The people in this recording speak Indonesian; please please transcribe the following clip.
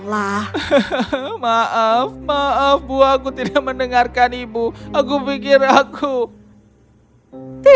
semua orang hargau di damai temelan rata